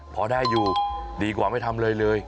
พอได้อยู่ดีกว่าไม่ทำอะไรเลย